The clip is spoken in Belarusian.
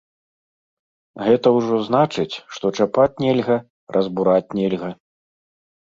Гэта ўжо значыць, што чапаць нельга, разбураць нельга.